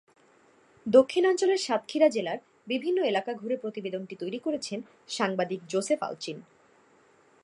দক্ষিণাঞ্চলের সাতক্ষীরা জেলার বিভিন্ন এলকা ঘুরে প্রতিবেদনটি তৈরি করেছেন সাংবাদিক যোসেফ আলচিন।